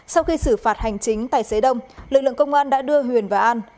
sau khi xử phạt hành chính tài xế đông lực lượng công an đã đưa huyền và an